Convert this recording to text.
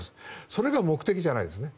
それが目的じゃないですね。